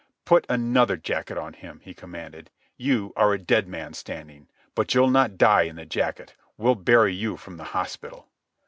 "Put another jacket on him," he commanded. "You are a dead man, Standing. But you'll not die in the jacket. We'll bury you from the hospital."